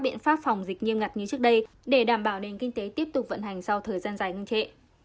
biện pháp phòng dịch nghiêm ngặt như trước đây để đảm bảo nền kinh tế tiếp tục vận hành sau thời gian dài ngưng trệ